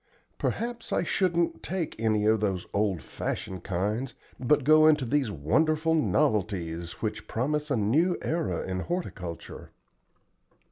Perhaps I shouldn't take any of those old fashioned kinds, but go into these wonderful novelties which promise a new era in horticulture."